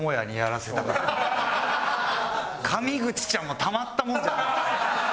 上口ちゃんもたまったもんじゃないよ。